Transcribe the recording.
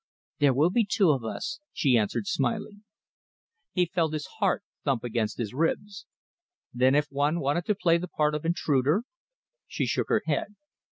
"There will be two of us," she answered, smiling. He felt his heart thump against his ribs. "Then if one wanted to play the part of intruder?" She shook her head.